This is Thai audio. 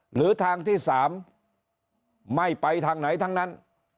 หรือทางที่๓ไม่ไปทางไหนทั้งนั้น